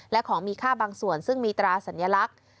และของมีค่าบางส่วนซึ่งมีตราสัญลักษณ์